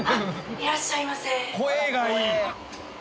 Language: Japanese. いらっしゃいませ。